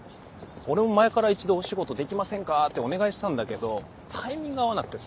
俺も前から「一度お仕事できませんか？」ってお願いしてたんだけどタイミング合わなくてさ。